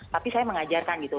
tapi saya mengajarkan gitu